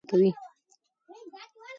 د مور تجربه د ماشوم روغتيا پياوړې کوي.